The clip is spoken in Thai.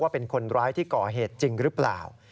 เป็นคนร้ายที่ก่อเหตุจริงหรือเปล่า